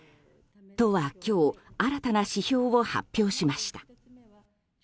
都は今日新たな指標を発表しました。